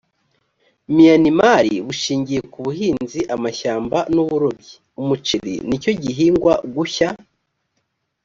miyanimari bushingiye ku buhinzi amashyamba n’uburobyi umuceri ni cyo gihingwa gushya